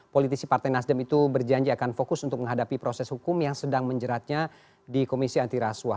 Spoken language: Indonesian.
politisi partai nasdem itu berjanji akan fokus untuk menghadapi proses hukum yang sedang menjeratnya di komisi anti rasuah